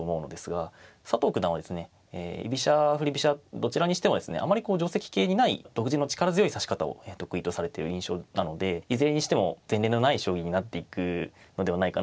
どちらにしてもですねあまりこう定跡形にない独自の力強い指し方を得意とされてる印象なのでいずれにしても前例のない将棋になっていくのではないかなというふうに思います。